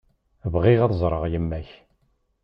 Bɣiɣ ad ẓreɣ yemma-k.